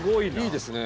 いいですね。